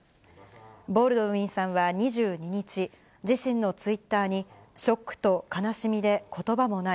ボールドウィンさんは２２日、自身のツイッターに、ショックと悲しみでことばもない。